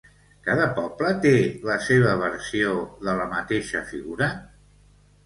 Cada poble té la seva versió de la mateixa figura?